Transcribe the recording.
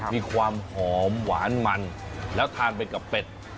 มีความหอมหวานมันแล้วทานไปกับเป็ด